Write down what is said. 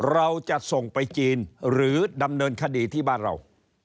เราจะส่งไปจีนหรือดำเนินคดีที่บ้านเรา